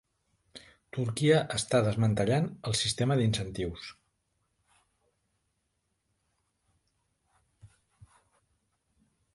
Turquia està desmantellant el sistema d'incentius.